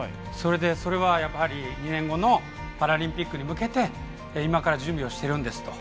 それは２年後のパラリンピックに向けて今から準備をしているんですと。